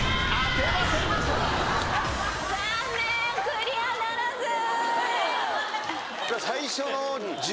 クリアならず！